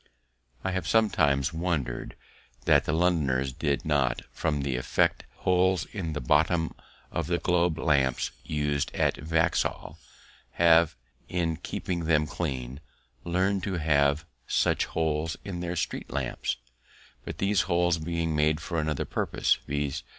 I have sometimes wonder'd that the Londoners did not, from the effect holes in the bottom of the globe lamps us'd at Vauxhall have in keeping them clean, learn to have such holes in their street lamps. But, these holes being made for another purpose, viz.